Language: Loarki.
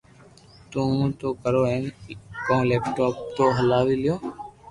تو ھون بي ڪرو ني ڪو ليپ ٽام ھلاوي ليو